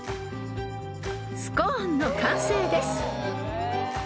［スコーンの完成です］